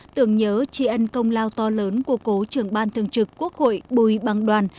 tưởng nhớ tri ân công lao to lớn của cố trưởng ban thường trực quốc hội bùi bằng đoàn